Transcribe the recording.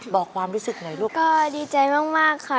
บอกความรู้สึกหน่อยรูปเหรอก็ดีใจมากค่ะ